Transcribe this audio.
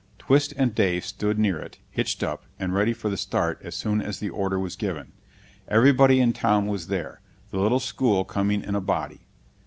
Twist and Dave stood near it, hitched up, and ready for the start as soon as the order was given. Everybody in town was there, the little school coming in a body.